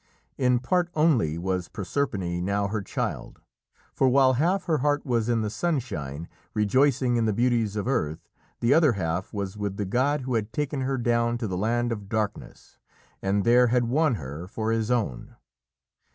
In part only was Proserpine now her child, for while half her heart was in the sunshine, rejoicing in the beauties of earth, the other half was with the god who had taken her down to the Land of Darkness and there had won her for his own.